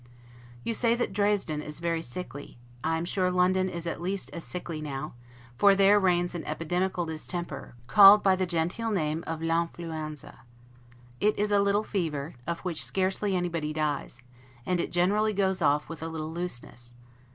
You say that Dresden is very sickly; I am sure London is at least as sickly now, for there reigns an epidemical distemper, called by the genteel name of 'l'influenza'. It is a little fever, of which scarcely anybody dies; and it generally goes off with a little looseness.